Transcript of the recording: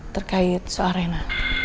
terkait so arena